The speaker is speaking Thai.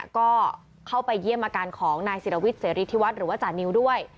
ก็เข้าไปเยี่ยมอาการของนายศิรวิทย์เสรีธิวัฒน์หรือว่าจานิวด้วย